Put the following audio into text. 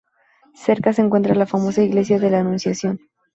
Cerca se encuentra la famosa Iglesia de la Anunciación.